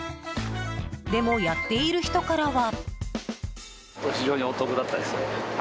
でも、やっている人からは。